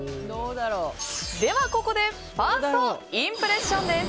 では、ここでファーストインプレッションです。